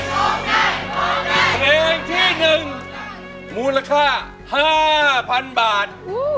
เพลงที่๑มูลค่า๕๐๐๐บาท